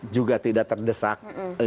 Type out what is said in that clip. juga tidak terdesak